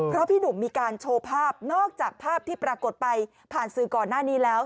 เพราะพี่หนุ่มมีการโชว์ภาพนอกจากภาพที่ปรากฏไปผ่านสื่อก่อนหน้านี้แล้ว